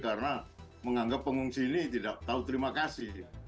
karena menganggap pengungsi ini tidak tahu terima kasih